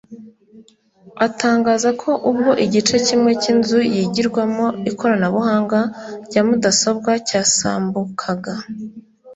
atangaza ko ubwo igice kimwe cy’inzu yigirwamo ikoranabuhanga rya mudasobwa cyasambukaga